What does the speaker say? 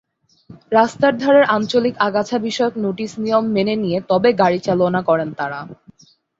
রাস্তার ধারের আঞ্চলিক আগাছা বিষয়ক নোটিশ-নিয়ম মেনে নিয়ে তবে গাড়ি চালনা করেন তারা।